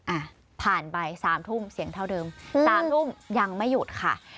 อ่ะผ่านไป๓ทุ่มเสียงเท่าเดิม๓ทุ่มยังไม่หยุดค่ะ